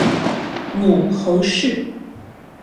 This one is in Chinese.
母侯氏。